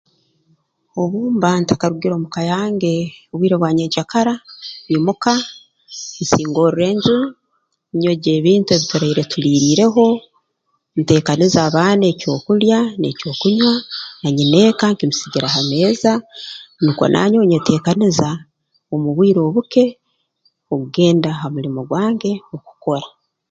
Obu mba ntakarugire omuka yange obwire obwa nyenkyakara nyimuka nsingorra enju nyogya ebintu ebituraire tuliirireho nteekaniza abaana ekyokulya n'ekyokunywa na nyineeka nkimusigira ha meeza nukwo nanyowe nyeteekaniza omu bwire obuke okugenda ha mulimo gwange okukora